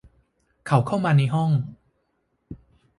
เขาเข้ามาในห้อง